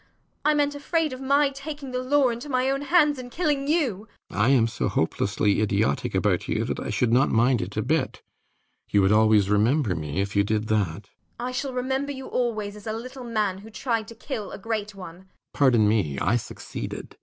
I meant afraid of my taking the law into my own hands, and killing you. RIDGEON. I am so hopelessly idiotic about you that I should not mind it a bit. You would always remember me if you did that. JENNIFER. I shall remember you always as a little man who tried to kill a great one.